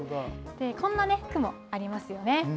こんな句もありますよね。